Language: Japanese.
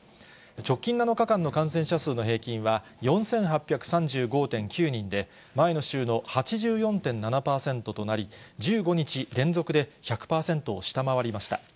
直近７日間の感染者数の平均は４８３５．９人で、前の週の８４．７％となり、１５日連続で１００％を下回りました。